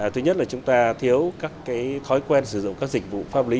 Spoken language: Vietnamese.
thứ nhất là chúng ta thiếu các thói quen sử dụng các dịch vụ pháp lý